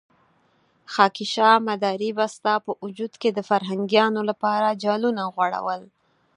خاکيشاه مداري به ستا په وجود کې د فرهنګيانو لپاره جالونه غوړول.